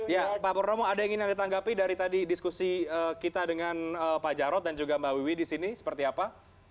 ya pak pur nomo ada yang ingin ditanggapi dari tadi diskusi kita dengan pak jorod dan juga mbak wiwi disini seperti apa